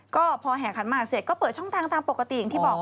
ก็พอแห่ขันหมากเสร็จก็เปิดช่องทางตามปกติอย่างที่บอก